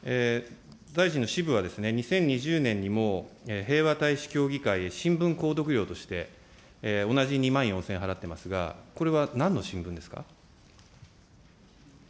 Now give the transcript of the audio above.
大臣の支部はですね、２０２０年にも平和大使協議会へ新聞購読料として、同じ２万４０００円払ってますが、これはなんの新聞ですか。